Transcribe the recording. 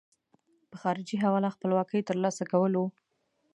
په خارجي حواله خپلواکۍ ترلاسه کول وو.